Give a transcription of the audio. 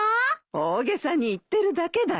大げさに言ってるだけだよ。